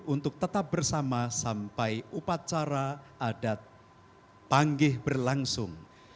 untuk tetap bersama sampai upacara adat panggih berlangsung